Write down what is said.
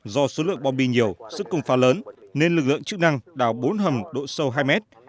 do số lượng bom bi nhiều sức công phá lớn nên lực lượng chức năng đào bốn hầm độ sâu hai mét